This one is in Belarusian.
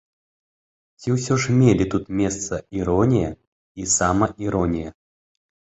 Ці ўсё ж мелі тут месца іронія і самаіронія?